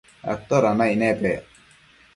atoda naic nepec